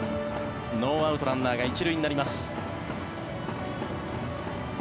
ノーアウトランナーが１塁になります。